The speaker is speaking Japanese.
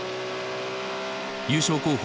優勝候補